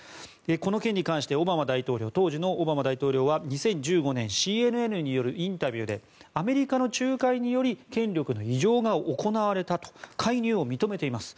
この件に関して当時のオバマ大統領は２０１５年ＣＮＮによるインタビューでアメリカの仲介により権力の移譲が行われたと介入を認めています。